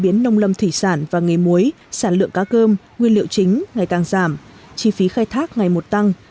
mức độ khăn hiếm nguyên liệu cá cơm nguyên liệu chính ngày càng giảm chi phí khai thác ngày một tăng